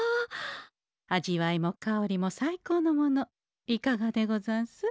味わいも香りも最高のものいかがでござんす？